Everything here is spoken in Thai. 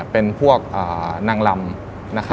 เป็นพวกนางลำ